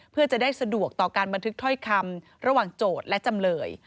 เพื่อจะได้สะดวกต่อการบันทึกถ้อยคำระหว่างโจทย์และจำเลย